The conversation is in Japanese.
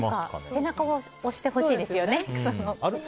背中を押してほしいですよね。